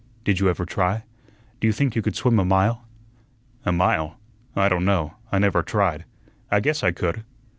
Did you ever try? D'you think you could swim a mile?" "A mile? I don't know. I never tried. I guess I could."